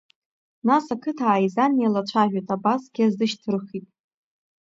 Нас ақыҭа ааизан еилацәажәеит, абасгьы азышьҭырхит.